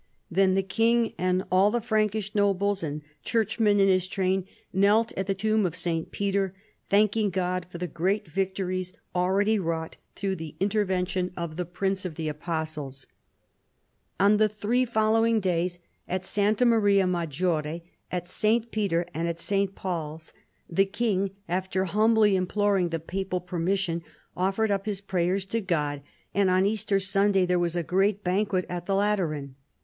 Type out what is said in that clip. Then the king and all the Prankish nobles and churchmen in his train knelt at the tomb of St. Peter, thanking God for the great victories already wrought through the intervention of the Prince of FALL OF THE LOMBARD MONARCHY. 127 the Apostles. On the three following days, at Sta. Maria Maggiore, at St. Peter's and St. Paul's, the king, after humbly imploring the papal permission, offered up his prayers to God, and on Easter Sunday there was a great banquet at the Lateran.